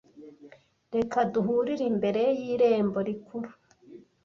Reka duhurire imbere y irembo rikuru